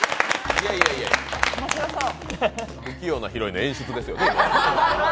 不器用なヒロインの演出ですよね。